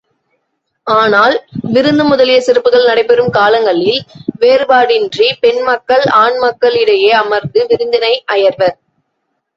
ஆனால், விருந்து முதலிய சிறப்புகள் நடைபெறும் காலங்களில், வேறுபாடின்றிப் பெண்மக்கள் ஆண்மக்களிடையே அமர்ந்து விருந்தினை அயர்வர்.